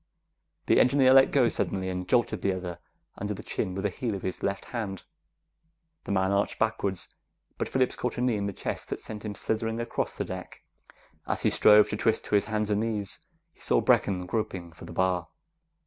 The engineer let go suddenly and jolted the other under the chin with the heel of his left hand. The man arched backward, but Phillips caught a knee in the chest that sent him slithering across the deck. As he strove to twist to his hands and knees, he saw Brecken groping for the bar.